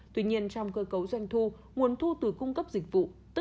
tuy nhiên trong cơ cấu doanh thu nguồn thu từ cung cấp dịch vụ